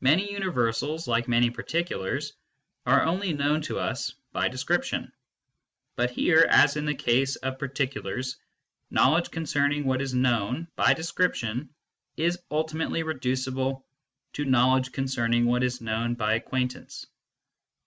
Many universals, like many particulars, are only known k to us by description^ T But here, as in the case of particu lars, knowledge concerning what is known by description is~ultlmately reducible to knowledge concerning what is knownBy"ac^aint a nc e